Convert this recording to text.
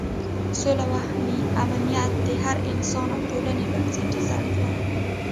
سوله او امنیت د هر انسان او ټولنې بنسټیزه اړتیا ده.